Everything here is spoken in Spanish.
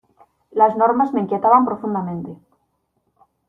Las normas me inquietaban profundamente.